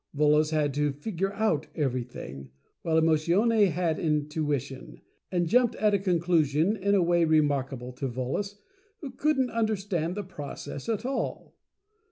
Volos had to "figure out" everything* while Emotione had Intuition, and jumped at a conclusion in a way remarkable to Volos, who couldn't under stand the process at all.